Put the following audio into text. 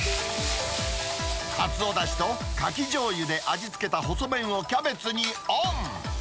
かつおだしとカキじょうゆで味付けた細麺をキャベツにオン。